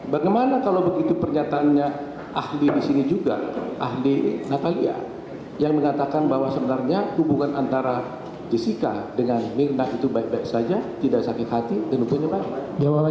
bagaimana kalau begitu pernyataannya ahli di sini juga ahli natalia yang mengatakan bahwa sebenarnya hubungan antara jessica dengan mirna itu baik baik saja tidak sakit hati dan penyebaran